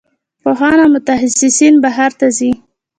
پوهان او متخصصین بهر ته ځي.